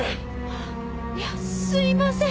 あっいやすいません。